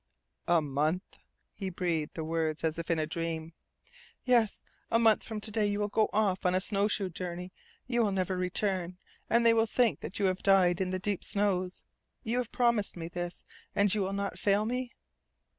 "A month!" He breathed the words as if in a dream. "Yes, a month from to day. You will go off on a snowshoe journey. You will never return, and they will think that you have died in the deep snows. You have promised me this. And you will not fail me?"